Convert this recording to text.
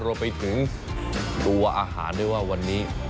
รวมไปถึงตัวอาหารด้วยว่าวันนี้